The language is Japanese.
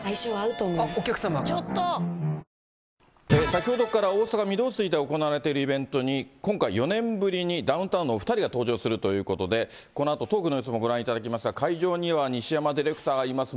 先ほどから大阪・御堂筋で行われているイベントに、今回、４年ぶりにダウンタウンのお２人が登場するということで、このあとトークの様子もご覧いただきますが、会場には西山ディレクターがいます。